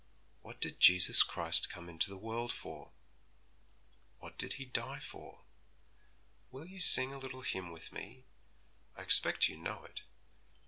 What did Jesus Christ come into the world for? What did He die for? Will you sing a little hymn with me? I expect you know it.'